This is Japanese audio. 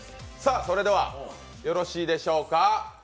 それではよろしいでしょうか。